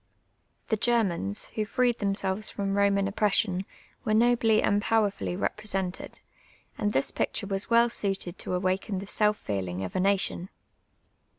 The Germans who freed themselves from lloman oppression were nobly and j)owerfully represented, and this ])icture was well suited to awaken the self feelin«^ of a nation.